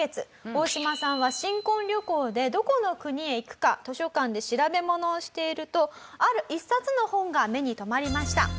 オオシマさんは新婚旅行でどこの国へ行くか図書館で調べ物をしているとある一冊の本が目に留まりました。